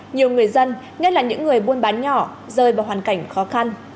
nhiều người dân nhất là những người buôn bán nhỏ rơi vào hoàn cảnh khó khăn